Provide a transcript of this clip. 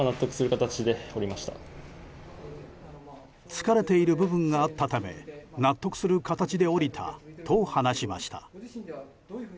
疲れている部分があったため納得する形で降りたと話しました。